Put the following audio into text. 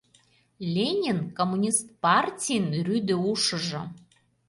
Ленин — Коммунист партийын рӱдӧ ушыжо.